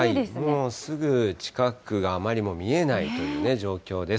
もうすぐ近くがあまり見えないという状況です。